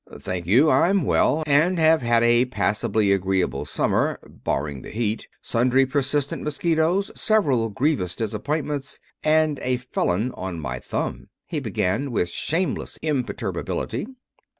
"Thank you, I'm well, and have had a passably agreeable summer, barring the heat, sundry persistent mosquitoes, several grievous disappointments, and a felon on my thumb," he began, with shameless imperturbability.